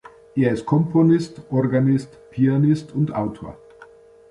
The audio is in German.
Er ist Komponist, Organist, Pianist und Autor.